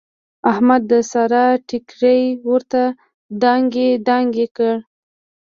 احمد د سارې ټیکری ورته دانګې دانګې کړ.